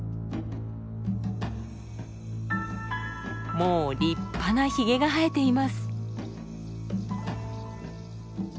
もう立派なヒゲが生えています。